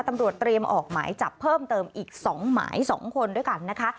ตำรวจเตรียมออกหมายจับเพิ่มเติมอีก๒หมาย๒คนด้วยกันนะคะ